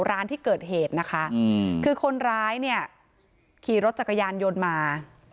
ร้านที่เกิดเหตุนะคะคือคนร้ายเนี่ยขี่รถจักรยานยนต์มา